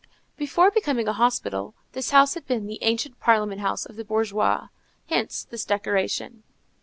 Before becoming a hospital, this house had been the ancient parliament house of the Bourgeois. Hence this decoration.